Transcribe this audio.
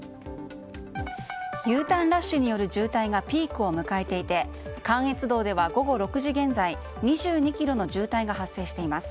Ｕターンラッシュによる渋滞がピークを迎えていて関越道では午後６時現在２２ｋｍの渋滞が発生しています。